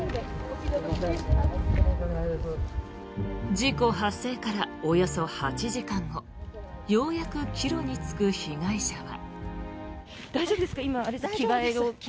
事故発生からおよそ８時間後ようやく帰路に就く被害者は。